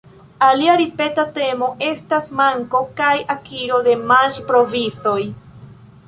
Alia ripeta temo estas manko kaj akiro de manĝ-provizoj.